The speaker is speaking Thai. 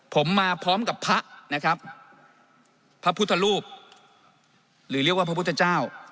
ผมมาพร้อมกับพระนะครับพระพุทธรูปหรือเรียกว่าพระพุทธเจ้า